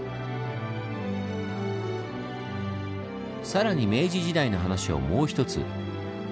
更に明治時代の話をもう一つ。